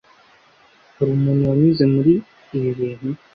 Hari umuntu wanyuze muri ibiibintu?